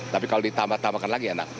tapi kalau ditambah tambahkan lagi enak